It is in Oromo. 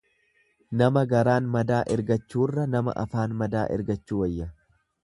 Nama garaan madaa ergachuurra nama afaan madaa ergachuu wayya.